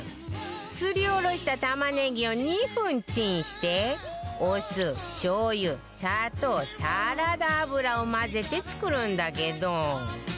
すりおろした玉ねぎを２分チンしてお酢しょう油砂糖サラダ油を混ぜて作るんだけど